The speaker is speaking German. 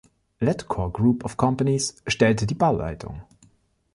Ledcor Group of Companies stellte die Bauleitung.